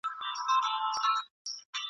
بې اختیاره له یارانو بېلېده دي ,